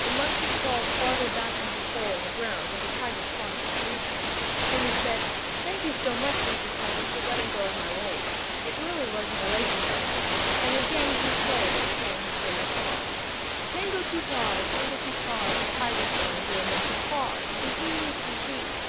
The monkey crawled farther back into the hole in the ground where the tiger's paw could not reach him. Then he said: "Thank you so much, Mr. Tiger, for letting go of my leg. It really was my leg, you know." Again he played and sang his little song: "_Tango ti tar, tango ti tar, The tiger's bones are in my guitar. Tee hee, Tee hee.